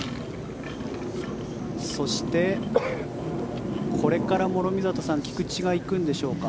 そして、これから諸見里さん菊地が行くんでしょうか。